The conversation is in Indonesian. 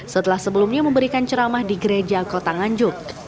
setelah sebelumnya memberikan ceramah di gereja kota nganjuk